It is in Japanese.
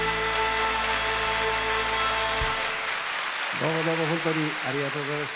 どうもどうも本当にありがとうございました。